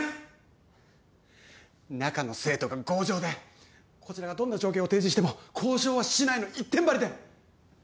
中の生徒が強情でこちらがどんな条件を提示しても交渉はしないの一点張りで。